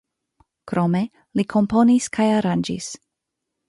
Krome li komponis kaj aranĝis.